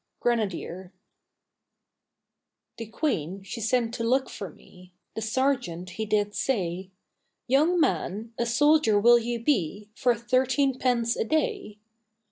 GRENADIER The Queen she sent to look for me, The sergeant he did say, 'Young man, a soldier will you be For thirteen pence a day?'